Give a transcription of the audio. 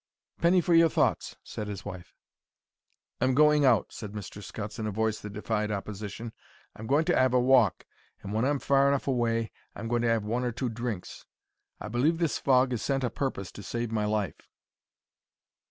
"Penny for your thoughts," said his wife. "I'm going out," said Mr. Scutts, in a voice that defied opposition. "I'm going to 'ave a walk, and when I'm far enough away I'm going to 'ave one or two drinks. I believe this fog is sent a purpose to save my life."